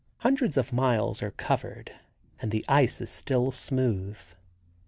Hundreds of miles are covered and the ice is still smooth.